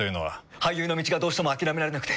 俳優の道がどうしても諦められなくて。